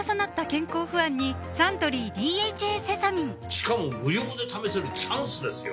しかも無料で試せるチャンスですよ